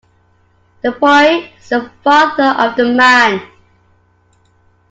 The boy is the father of the man.